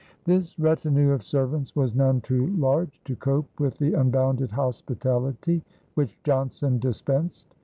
This retinue of servants was none too large to cope with the unbounded hospitality which Johnson dispensed.